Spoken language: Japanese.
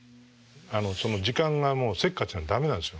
時間がもうせっかちなんで駄目なんですよ。